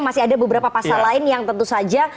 masih ada beberapa pasal lain yang tentu saja